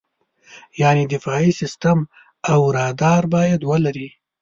یعنې دفاعي سیستم او رادار باید ولرې.